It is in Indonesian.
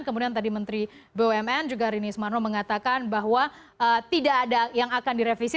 kemudian tadi menteri bumn juga rini sumarno mengatakan bahwa tidak ada yang akan direvisi